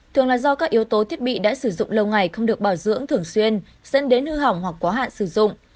thường là do các yếu tố thiết bị đã sử dụng lâu ngày không được bảo dưỡng thường xuyên dẫn đến hư hỏng hoặc quá hạn sử dụng